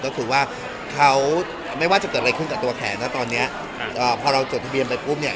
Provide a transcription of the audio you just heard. ก็คือว่าเขาไม่ว่าจะเกิดอะไรขึ้นกับตัวแขนนะตอนนี้พอเราจดทะเบียนไปปุ๊บเนี่ย